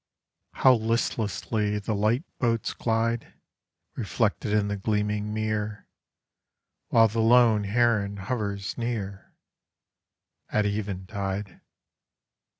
How listlesi.ly the light boats glide Reflected in the gleaming mere, While the lone heron hovers near, At even tide. AT EVEN TIDE.